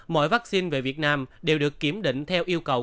mọi vaccine về việt nam đều được kiểm định theo yêu cầu